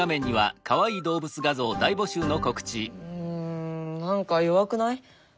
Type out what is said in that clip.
うん何か弱くない？